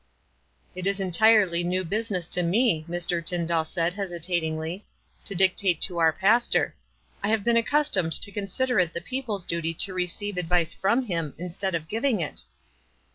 "It is entirely new business to rne," Mr. Tyn clall said, hesitatingly, " to dictate to our pastor. 1 have been accustomed to consider it the peo ple's duty to receive advice from him, instead of giving it."